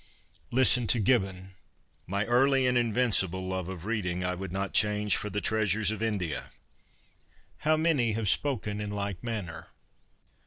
Listen to Gibbon :' My early and invincible love of reading I would not change for the treasures of India.' How many have spoken in like manner